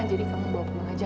jadi kamu bawa pulang aja